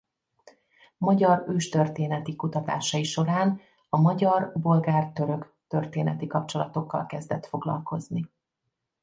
Magyar őstörténeti kutatásai során a magyar–bolgár–török történeti kapcsolatokkal kezdett foglalkozni.